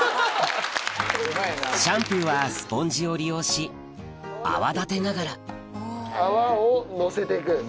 シャンプーはスポンジを利用し泡立てながら乗せてく。